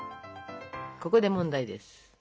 ここで問題です。